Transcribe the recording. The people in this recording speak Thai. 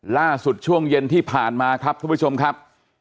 ช่วงเย็นที่ผ่านมาครับทุกผู้ชมครับ